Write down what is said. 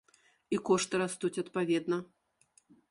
І кошты растуць адпаведна.